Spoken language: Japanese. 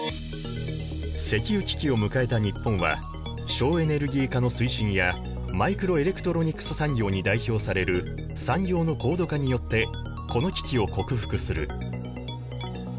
石油危機を迎えた日本は省エネルギー化の推進やマイクロエレクトロニクス産業に代表される産業の高度化によってこの危機を克服する。